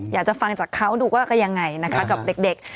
อยากจะฟังจากเขาดูว่าก็ยังไงนะคะกับเด็ก